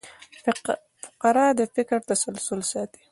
فقره د فکر تسلسل ساتي.